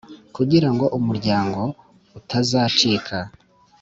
kugira ngo umuryango utazacika